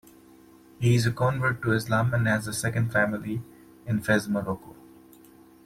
He is a convert to Islam and has a second family in Fez, Morocco.